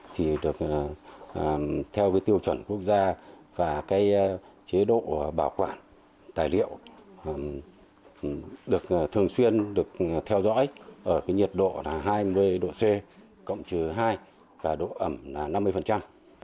thì được theo cái tiêu chuẩn quốc gia và cái chế độ bảo quản tài liệu được thường xuyên được theo dõi ở cái nhiệt độ là hai mươi độ c cộng trừ hai và độ ẩm là năm mươi